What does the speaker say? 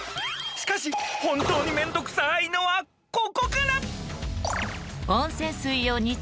［しかし本当にめんどくさいのはここから］